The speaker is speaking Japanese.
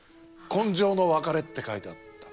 「今生の別れ」って書いてあった。